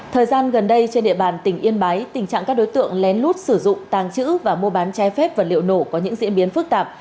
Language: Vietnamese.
thời gian gần đây trên địa bàn tỉnh yên bái tình trạng các đối tượng lén lút sử dụng tàng trữ và mua bán trái phép vật liệu nổ có những diễn biến phức tạp